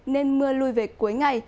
nên mưa lùi về cuối ngày